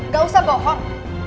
gak usah bohong